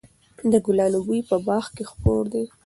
د ګلانو بوی په باغ کې خپور دی.